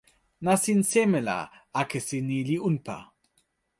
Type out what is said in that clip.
nasin seme la akesi ni li unpa?